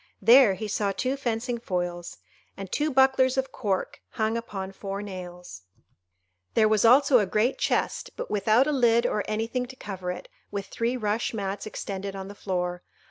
There he saw two fencing foils, and two bucklers of cork hung upon four nails; there was also a great chest, but without a lid or anything to cover it, with three rush mats extended on the floor.